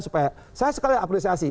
saya sekali apresiasi